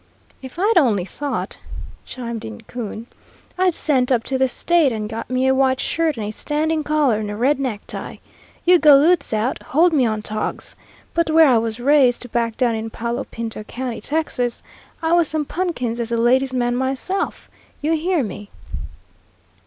"If I'd only thought," chimed in Coon, "I'd sent up to the State and got me a white shirt and a standing collar and a red necktie. You galoots out hold me on togs. But where I was raised, back down in Palo Pinto County, Texas, I was some punkins as a ladies' man myself you hear me."